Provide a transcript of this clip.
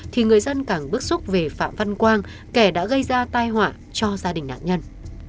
thì người dân càng bức xúc về phạm văn quang kẻ đã gây ra tai hỏa cho gia đình nạn nhân